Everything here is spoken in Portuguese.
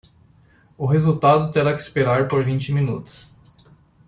O resultado terá que esperar por vinte minutos.